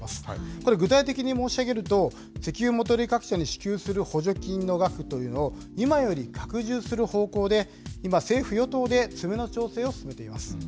これ、具体的に申し上げると、石油元売り各社に支給する補助金の額というのを、今より拡充する方向で、今、政府・与党で詰めの調整を進めています。